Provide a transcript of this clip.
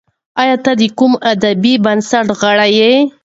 ایا ته د کوم ادبي بنسټ غړی یې؟